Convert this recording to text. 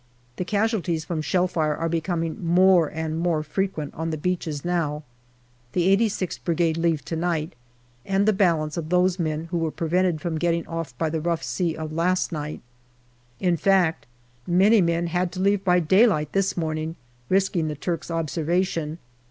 The casualties from shell fire are becoming more and more frequent on the beaches now. The 86th Brigade leave to night, and the balance of those men who were prevented from getting off by the rough sea of last night. In fact, many men had to leave by daylight this morning, risking the Turks' observation.